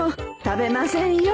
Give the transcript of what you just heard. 食べませんよ。